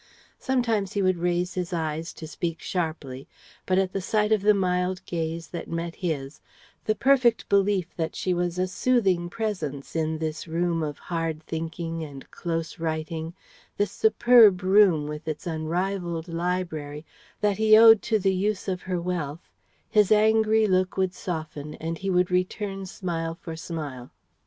Sometimes he would raise his eyes to speak sharply; but at the sight of the mild gaze that met his, the perfect belief that she was a soothing presence in this room of hard thinking and close writing this superb room with its unrivalled library that he owed to the use of her wealth, his angry look would soften and he would return smile for smile.